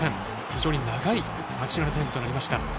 非常に長いアディショナルタイムとなりました。